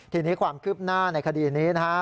ทีนี้ความคืบหน้าในคดีนี้นะฮะ